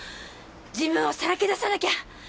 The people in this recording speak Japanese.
自分をさらけ出さなきゃ！